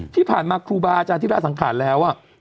ที่ผ่านมาครูบาอาจารย์ที่ราชสังขารแล้ว